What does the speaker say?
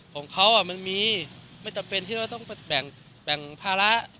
ของเขามันมีไม่จำเป็นที่เราต้องแบ่งภาระ